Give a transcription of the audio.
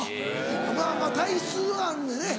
まぁまぁ体質があんねんね。